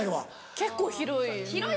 結構広い。